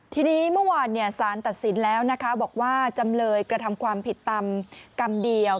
ทีนี้เมื่อวานสารตัดสินแล้วนะคะบอกว่าจำเลยกระทำความผิดตามกรรมเดียว